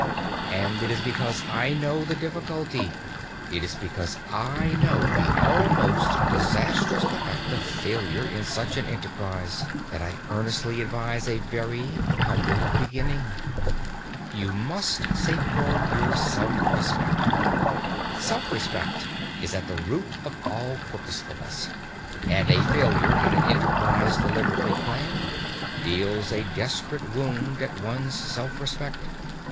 And it is because I know the difficulty, it is because I know the almost disastrous effect of failure in such an enterprise, that I earnestly advise a very humble beginning. You must safeguard your self respect. Self respect is at the root of all purposefulness, and a failure in an enterprise deliberately planned deals a desperate wound at one's self respect.